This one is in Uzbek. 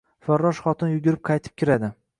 Farrosh x o t i n yugurib qaytib kiradi